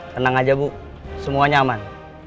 tenang aja bu semuanya nyaman